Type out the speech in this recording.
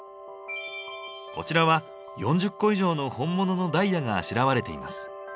こちらは４０個以上の本物のダイヤがあしらわれています。